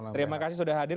terima kasih sudah hadir